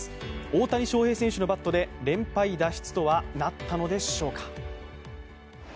大谷翔平選手のバットで連敗脱出とはなったのでしょうか。